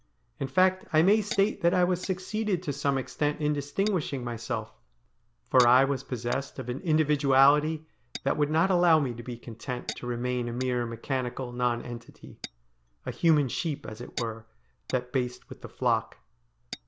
In fact, I may state thai I succeeded to some extent in distinguishing myself, for I was T 2 276 STORIES WEIRD AND WONDERFUL possessed of an individuality that would not allow me to be content to remain a mere mechanical nonenity — a human sheep, as it were, that baaed with the flock.